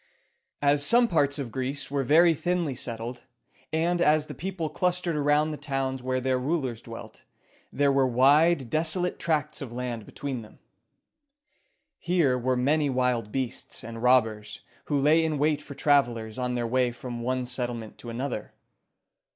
As some parts of Greece were very thinly settled, and as the people clustered around the towns where their rulers dwelt, there were wide, desolate tracts of land between them. Here were many wild beasts and robbers, who lay in wait for travelers on their way from one settlement to another.